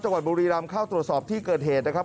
บุรีรำเข้าตรวจสอบที่เกิดเหตุนะครับ